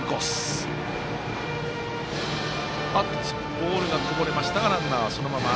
ボールがこぼれましたがランナーは、そのまま。